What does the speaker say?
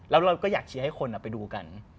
แล้วเราก็อยากเชียร์ให้คนไปดูกัน